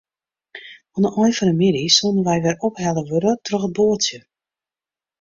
Oan 'e ein fan 'e middei soene wy wer ophelle wurde troch it boatsje.